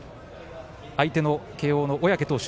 相手の慶応の小宅投手